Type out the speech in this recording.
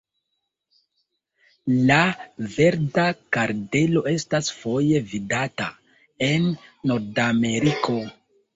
La Verda kardelo estas foje vidata en Nordameriko.